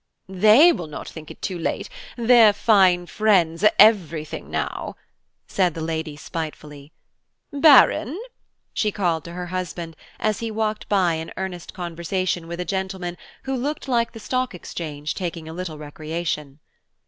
"They will not think it too late–their fine friends are everything now," said the lady spitefully. "Baron!" she called to her husband, as he walked by in earnest conversation with a gentleman who looked like the Stock Exchange taking a little recreation.